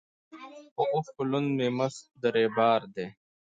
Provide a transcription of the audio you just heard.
په اوښکو لوند مي مخ د رویبار دی